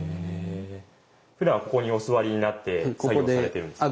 ふだんここにお座りになって作業をされているんですか？